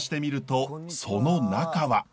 その中は。